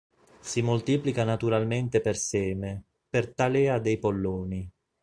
Si moltiplica naturalmente per seme, per talea dei polloni.